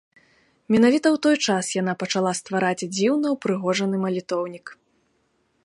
Менавіта ў той час яна пачала ствараць дзіўна ўпрыгожаны малітоўнік.